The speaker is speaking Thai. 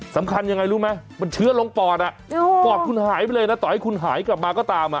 สำคัญยังไงรู้ไหมมันเชื้อลงปอดปอดคุณหายไปเลยนะต่อให้คุณหายกลับมาก็ตาม